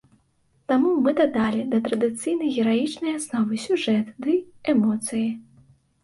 Таму мы дадалі да традыцыйнай гераічнай асновы сюжэт ды эмоцыі.